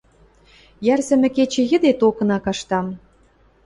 Йӓрсӹмӹ кечӹ йӹде токына каштам.